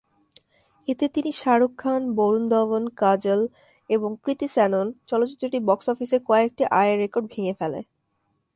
এতে তিনি শাহরুখ খান, বরুণ ধবন, কাজল এবং কৃতি শ্যানন, চলচ্চিত্রটি বক্স অফিসের কয়েকটি আয়ের রেকর্ড ভেঙ্গে ফেলে।